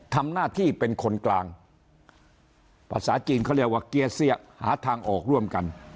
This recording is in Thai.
ทำหน้าที่เป็นคนกลางภาษาจีนเขาเรียกว่าเกียร์เสี้ยหาทางออกร่วมกัน